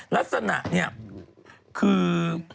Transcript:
ลักษณะเนี่ยคือ